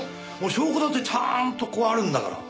証拠だってちゃんとあるんだから。